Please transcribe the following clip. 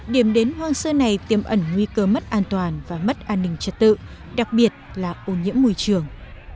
điểm đến hoang sơ này tiêm ẩn nguy cơ mất an toàn và mất an ninh trật tự đặc biệt là ô nhiễm môi trường